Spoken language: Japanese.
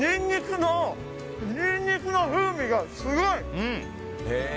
ニンニクの風味がすごい！